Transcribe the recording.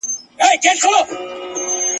مقابله کولای سي !.